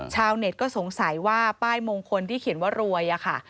ชาวเน็ตก็สงสัยว่าป้ายมงคลที่เขียนว่ารวยอะค่ะ